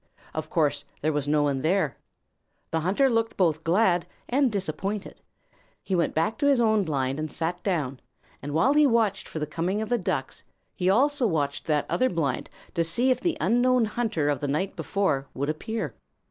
Of course, there was no one there. The hunter looked both glad and disappointed. He went back to his own blind and sat down, and while he watched for the coming of the Ducks, he also watched that other blind to see if the unknown hunter of the night before would appear.